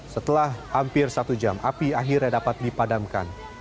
setelah hampir satu jam api akhirnya dapat dipadamkan